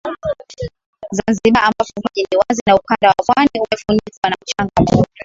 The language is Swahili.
Zanzibar ambapo maji ni wazi na ukanda wa pwani umefunikwa na mchanga mweupe